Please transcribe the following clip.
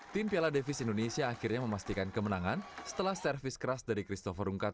tim piala davis indonesia akhirnya memastikan kemenangan setelah servis keras dari christopher rungkat